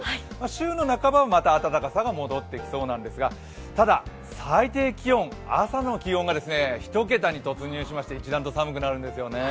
週の半ばはまた暖かさが戻ってきそうなんですがただ、最低気温、朝の気温が１桁に突入しまして一段と寒くなるんですよね。